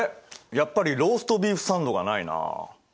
やっぱりローストビーフサンドがないな。